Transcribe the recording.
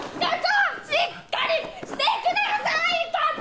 しっかりしてください課長！